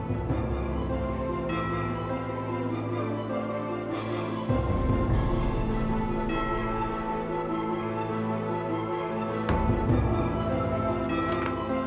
dan cowok atau anak